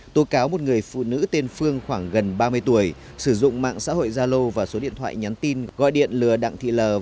tố cáo một người phụ nữ tên phương khoảng gần ba mươi tuổi sử dụng mạng xã hội zalo và số điện thoại nhắn tin gọi điện lừa đặng thị lờ